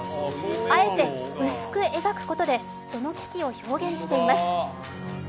あえて薄く描くことで、その危機を表現しています。